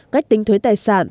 cách tính thuế tài sản